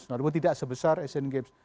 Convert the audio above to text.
nah itu tidak sebesar esen games